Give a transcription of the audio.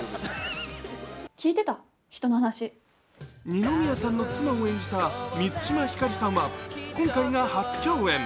二宮さんの妻を演じた満島ひかりさんは今回が初共演。